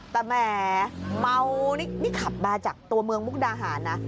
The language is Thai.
แต่แหมเมานี่ขับมาจากตัวเมืองมุกดาหารนะ